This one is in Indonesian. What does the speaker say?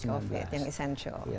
covid yang essential